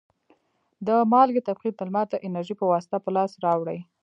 د مالګې تبخیر د لمر د انرژي په واسطه په لاس راوړي.